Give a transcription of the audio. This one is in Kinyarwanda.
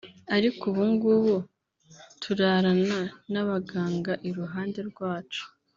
ariko ubu ngubu turarana n’abaganga iruhande rwacu